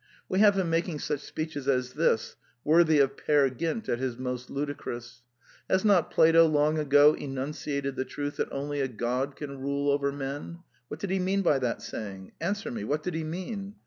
We have him making such speeches as this, worthy of Peer Gjnt at his most ludicrous :" Has not Plato long ago enunciated the truth that only a god can rule over men? What did he mean by that saying ? Answer me: what did he mean